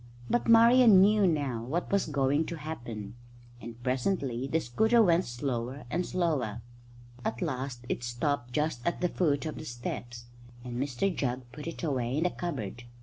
But Marian knew now what was going to happen, and presently the scooter went slower and slower. At last it stopped just at the foot of the steps, and Mr Jugg put it away in the cupboard.